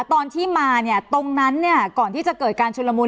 ตอนที่มาตรงนั้นก่อนที่จะเกิดการชุดละมุน